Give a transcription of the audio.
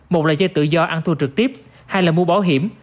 một là chơi tự do ăn thua trực tiếp hai là mua bảo hiểm